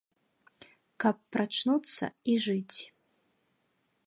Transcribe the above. Каб прачнуцца і жыць.